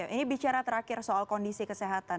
ini bicara terakhir soal kondisi kesehatan